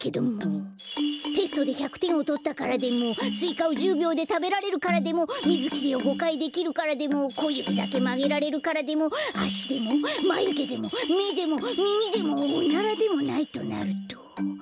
テストで１００てんをとったからでもスイカを１０びょうでたべられるからでもみずきりを５かいできるからでもこゆびだけまげられるからでもあしでもまゆげでもめでもみみでもおならでもないとなると。